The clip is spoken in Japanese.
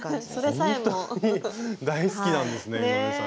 ほんとに大好きなんですね井上さん。